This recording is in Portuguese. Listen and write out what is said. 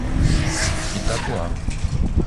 Itapoá